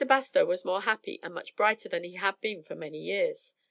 Bastow was more happy and much brighter than he had been for many years.